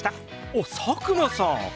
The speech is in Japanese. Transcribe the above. おっ佐久間さん！